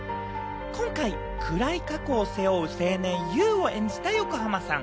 今回、暗い過去を背負う青年・優を演じた横浜さん。